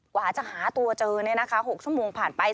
หวานจะหาตัวเจอเนี่ยนะคะ๖ชั่วโมงผ่านไป